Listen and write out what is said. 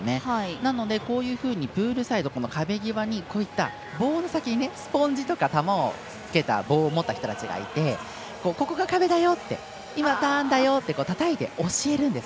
なので、こういうふうにプールサイド、壁際にボール先にスポンジとかをつけた棒を持った人たちがいてここが壁だよって今、ターンだよってたたいて教えるんです。